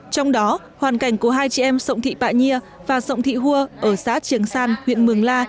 trong đó hoàn cảnh của hai chị em sộng thị bạ nhia và sộng thị hua ở xá chiếng san huyện mường la